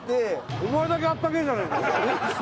お前だけあったけえじゃねえか！